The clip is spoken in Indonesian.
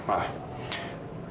udah sana kerja ya bener